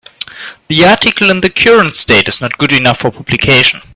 The article in the current state is not good enough for publication.